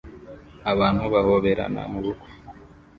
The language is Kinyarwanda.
Abantu bahoberana mu bukwe